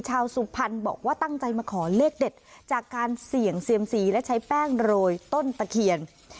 สุพรรณบอกว่าตั้งใจมาขอเลขเด็ดจากการเสี่ยงเซียมสีและใช้แป้งโรยต้นตะเคียน